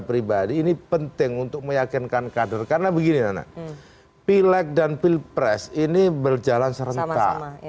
pribadi ini penting untuk meyakinkan kader karena begini nana pilek dan pilpres ini berjalan serentak